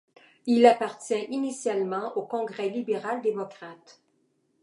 Il appartient initialement au Congrès libéral-démocrate.